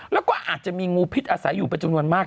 แล้วก็อาจจะมีงูพิษอาศัยอยู่เป็นจำนวนมาก